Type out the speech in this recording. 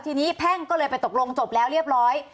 ทีนี้แพ่งก็เลยไปตกลงจบแล้วเรียบร้อย